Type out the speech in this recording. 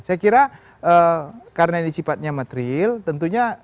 saya kira karena ini sifatnya materil tentunya harus ada upaya untuk menjelaskan ya